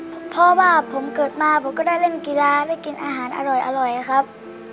เพราะว่าผมเกิดมาผมก็ได้เล่นกีฬาได้กินอาหารอร่อยครับ